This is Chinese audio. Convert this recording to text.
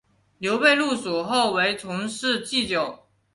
刘备入蜀后为从事祭酒。